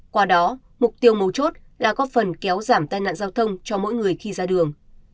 qua đó mục tiêu mấu chốt là có phần kéo giảm tai nạn giao thông cho mỗi người khi ra đường